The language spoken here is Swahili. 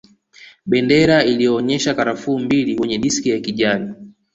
Bendera iliyoonyesha karafuu mbili kwenye diski ya kijani